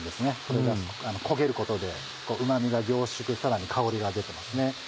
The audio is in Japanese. これが焦げることでうま味が凝縮さらに香りが出てますね。